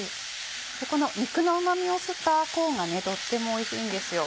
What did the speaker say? この肉のうま味を吸ったコーンがとってもおいしいんですよ。